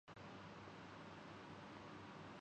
یہ بھی ممکن ہے کہہ ضرورت کے تحت